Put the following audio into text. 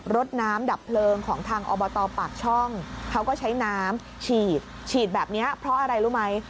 รถน้ำดับเพลิงของทางอบตปากช่องเขาก็ใช้น้ำฉีดฉีดแบบนี้เพราะอะไรรู้ไหม